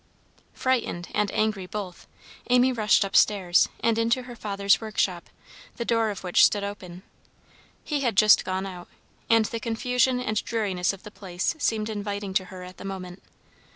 Frightened and angry both, Amy rushed up stairs, and into her father's workshop, the door of which stood open. He had just gone out, and the confusion and dreariness of the place seemed inviting to her at the moment.